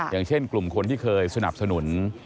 อย่างเช่นกลุ่มคนที่เคยสนับสนุน